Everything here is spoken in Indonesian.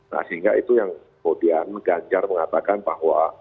nah sehingga itu yang kemudian ganjar mengatakan bahwa